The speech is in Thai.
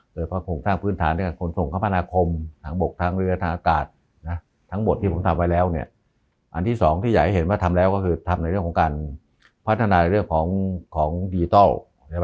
เพราะอย่างนี้เรามันคงตั้งพื้นฐานเรียกจากเราอยู่เนี่ย